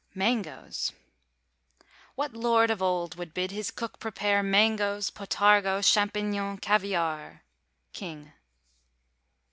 MANGOES. What lord of old would bid his cook prepare Mangoes, potargo, champignons, caviare! KING.